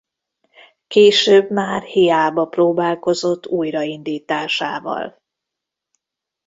Később már hiába próbálkozott újraindításával.